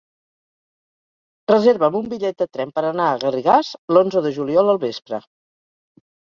Reserva'm un bitllet de tren per anar a Garrigàs l'onze de juliol al vespre.